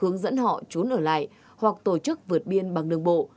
hướng dẫn họ trốn ở lại hoặc tổ chức vượt biên bằng đường bộ